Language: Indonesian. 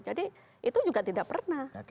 jadi itu juga tidak pernah